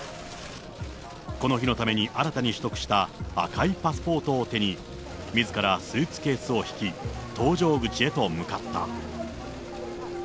この日のために新たに取得した赤いパスポートを手に、みずからスーツケースを引き、搭乗口へと向かった。